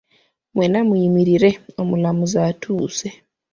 Mwenna muyimirire omulamuzi atuuse.